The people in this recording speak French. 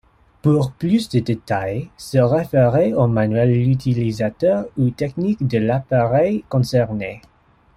Pour plus de détails, se référer au manuel utilisateur ou technique de l'appareil concerné.